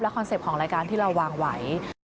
คอนเซ็ปต์ของรายการที่เราวางไว้